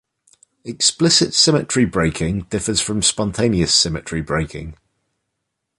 Explicit symmetry breaking differs from spontaneous symmetry breaking.